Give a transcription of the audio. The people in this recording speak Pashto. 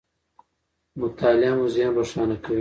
مطالعه مو ذهن روښانه کوي.